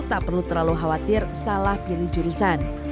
tak perlu terlalu khawatir salah pilih jurusan